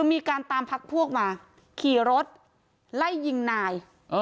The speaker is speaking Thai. มีการตามพักพวกมาขี่รถไล่ยิงนาย